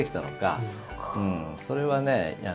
それはね